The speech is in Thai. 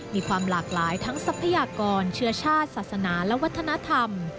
มีความหลากหลายทั้งทรัพยากรเชื้อชาติศาสนาและวัฒนธรรม